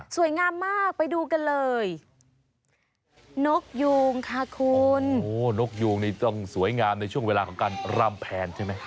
งามมากไปดูกันเลยนกยูงค่ะคุณโอ้นกยูงนี่ต้องสวยงามในช่วงเวลาของการรำแพนใช่ไหม